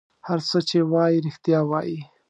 هر څه چې وایي رېښتیا وایي.